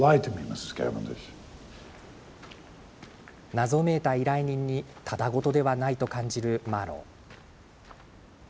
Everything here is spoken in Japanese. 謎めいた依頼人にただごとではないと感じるマーロウ。